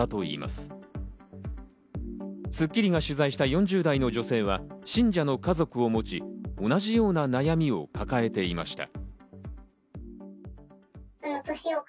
『スッキリ』が取材した４０代の女性は信者の家族を持ち、同じような悩みを抱えていました。